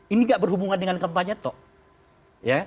ini gak berhubungan dengan kampanye toh